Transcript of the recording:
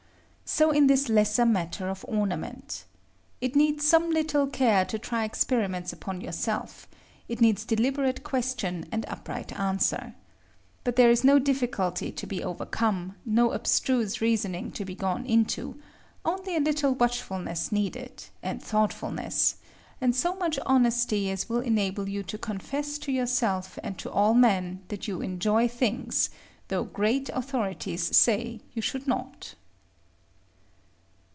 So in this lesser matter of ornament. It needs some little care to try experiments upon yourself: it needs deliberate question and upright answer. But there is no difficulty to be overcome, no abstruse reasoning to be gone into; only a little watchfulness needed, and thoughtfulness, and so much honesty as will enable you to confess to yourself and to all men, that you enjoy things, though great authorities say you should not.